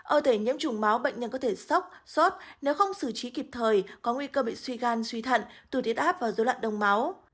ở thể nhiễm chủng máu bệnh nhân có thể sốc sốt nếu không xử trí kịp thời có nguy cơ bị suy gan suy thận tùy tiết áp và dấu lặn đông máu